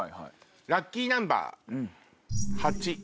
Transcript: ラッキーナンバー。